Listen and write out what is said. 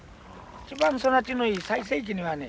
一番育ちのいい最盛期にはね